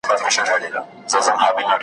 ستا به په شپو کي زنګېدلی یمه .